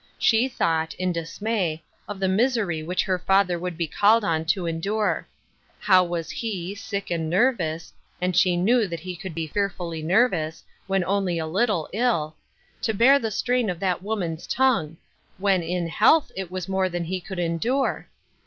She t}iought, in dismay, of the misery which her father would be called to endure. How was he, sick and uervoiis — ind she knew he could be fearfully 186 Ruth Erakine's Crosses. nervous, when only a little ill — to bear the strain of that woman's tongue, when, in health, it was more than he could endure?